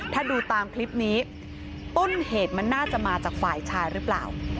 ถ้าดูตามคลิปนี้ต้นเหตุมันน่าจะมาจากฝ่ายชายหรือเปล่า